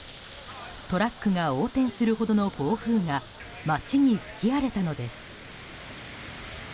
トラックが横転するほどの暴風が町に吹き荒れたのです。